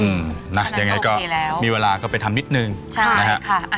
อืมนะยังไงก็มีเวลาก็ไปทำนิดนึงนะครับใช่ค่ะอันนั้นก็โอเคแล้ว